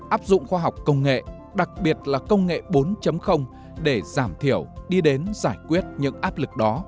áp dụng khoa học công nghệ đặc biệt là công nghệ bốn để giảm thiểu đi đến giải quyết những áp lực đó